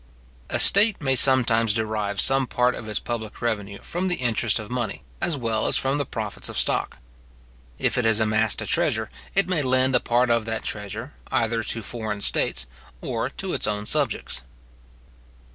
A state may sometimes derive some part of its public revenue from the interest of money, as well as from the profits of stock. If it has amassed a treasure, it may lend a part of that treasure, either to foreign states, or to its own subjects.